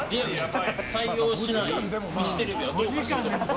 採用しないフジテレビはどうかしてます。